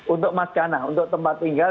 untuk masganah untuk tempat tinggal